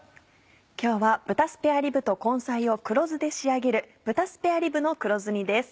今日は豚スペアリブと根菜を黒酢で仕上げる「豚スペアリブの黒酢煮」です。